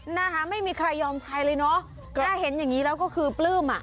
นะฮะไม่มีใครยอมใครเลยเนอะถ้าเห็นอย่างงี้แล้วก็คือปลื้มอ่ะ